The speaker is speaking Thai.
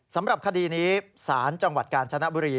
สำหรับคดีนี้ศาลจังหวัดกาญจนบุรี